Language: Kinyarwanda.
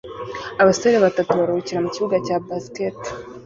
Abasore batatu baruhukira mukibuga cya basket